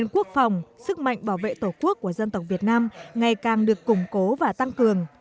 quốc phòng sức mạnh bảo vệ tổ quốc của dân tộc việt nam ngày càng được củng cố và tăng cường